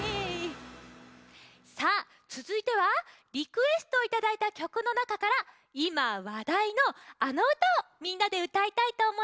さあつづいてはリクエストをいただいたきょくのなかからいまわだいのあのうたをみんなでうたいたいとおもいます。